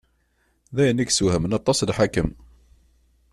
D ayen i yeswehmen aṭas lḥakem.